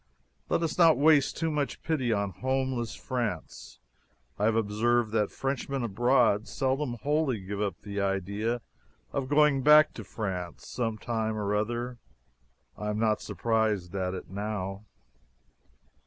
Let us not waste too much pity on "homeless" France. I have observed that Frenchmen abroad seldom wholly give up the idea of going back to France some time or other. I am not surprised at it now.